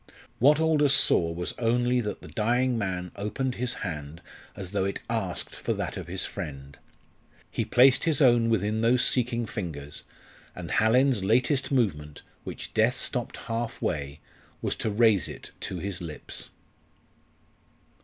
What Aldous saw was only that the dying man opened his hand as though it asked for that of his friend. He placed his own within those seeking fingers, and Hallin's latest movement which death stopped half way was to raise it to his lips.